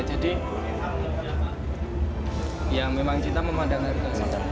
jadi ya memang cinta memandang harga